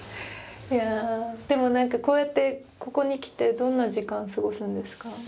でも何かこうやってここに来てどんな時間過ごすんですか？